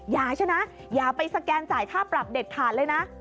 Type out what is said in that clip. อย่าใช่นะอย่าไปสแกนสายท่าปรับเด็ดขาดเลยนะ